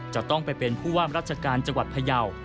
จะต้องไปเป็นผู้ว่ามราชการจังหวัดพยาว